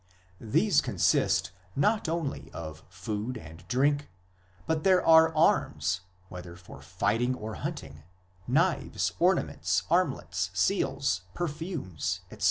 These consist not only of food and drink, but there are arms (whether for fighting or hunting), knives, ornaments, armlets, seals, perfumes, etc.